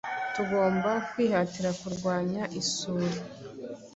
Tugomba kwihatira kurwanya isuri